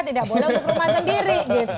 tidak boleh untuk rumah sendiri